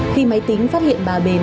khi máy tính phát hiện bà bền